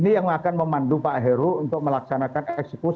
ini yang akan memandu pak heru untuk melaksanakan eksekusi